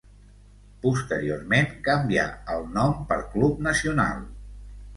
Posteriorment canvià el nom per Club Nacional.